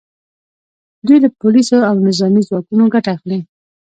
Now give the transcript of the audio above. دوی له پولیسو او نظامي ځواکونو ګټه اخلي